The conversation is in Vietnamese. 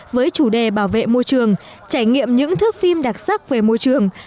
với chủ đề bảo vệ môi trường trải nghiệm những thước phim đặc sắc về môi trường